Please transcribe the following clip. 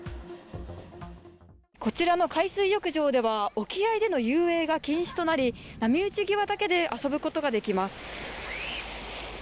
こちらの海水浴場では沖合での遊泳が禁止となり、波打ち際だけで遊ぶことができます。